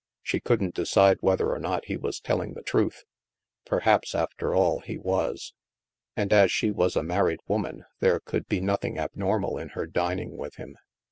She couldn't decide whether or not he was telling the THE MAELSTROM 187 truth. Perhaps, after all, he was. And as she was a married woman, there could be nothing abnormal in her dining with him.